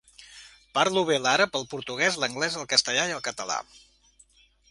Parlo bé l'àrab, el portuguès, l'anglès, el castellà i el català.